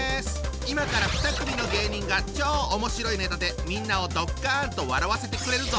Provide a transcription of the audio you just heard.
今から２組の芸人が超おもしろいネタでみんなをドッカンと笑わせてくれるぞ！